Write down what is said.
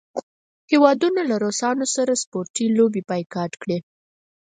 هیوادونو له روسانو سره سپورټي لوبې بایکاټ کړې.